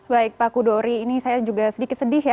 baik pak kudori ini saya juga sedikit sedih ya